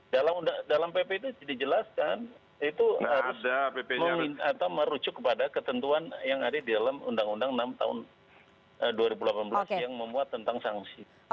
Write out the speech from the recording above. jadi dalam pp itu dijelaskan itu harus merucuk kepada ketentuan yang ada di dalam undang undang nomor enam tahun dua ribu delapan belas yang memuat tentang sanksi